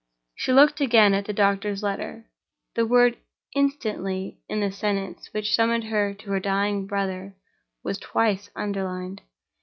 She looked again at the doctor's letter. The word "instantly," in the sentence which summoned her to her dying brother, was twice underlined.